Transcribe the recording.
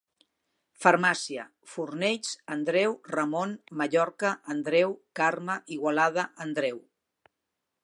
Farmàcia: Fornells, Andreu, Ramon, Mallorca, Andreu, Carme, Igualada, Andreu.